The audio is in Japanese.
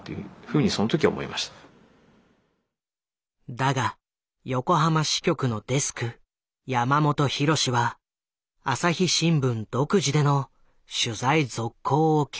だが横浜支局のデスク山本博は朝日新聞独自での取材続行を決断した。